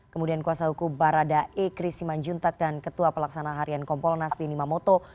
kemudian kuasa hukum baradae kris simanjuntak dan ketua pelaksanaan harian kompol nas binimamoto